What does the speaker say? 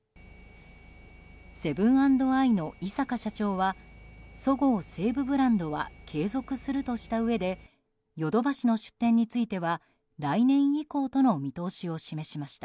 セブン＆アイの井阪社長はそごう・西武ブランドは継続するとしたうえでヨドバシの出店については来年以降との見通しを示しました。